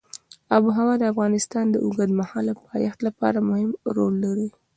آب وهوا د افغانستان د اوږدمهاله پایښت لپاره مهم رول لري.